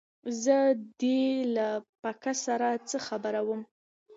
زه دې له پکه سره څه خبره ومه